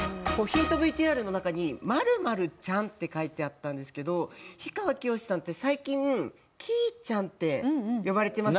ヒントＶＴＲの中に「○○ちゃん」って書いてあったんですけど氷川きよしさんって最近きーちゃんって呼ばれてますよね。